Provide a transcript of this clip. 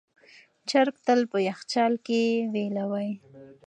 چرګ تل په یخچال کې ویلوئ.